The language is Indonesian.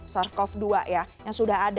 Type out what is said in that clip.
sars cov dua ya yang sudah ada